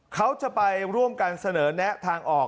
เขาจะไปร่วมกันเสนอแนะทางออก